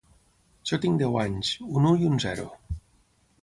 Jo tinc deu anys, un u i un zero.